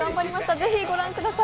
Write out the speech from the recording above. ぜひご覧ください。